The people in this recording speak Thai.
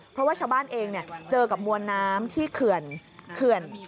เพราะว่าชาวบ้านเองเจอกับมวลน้ำที่เขื่อน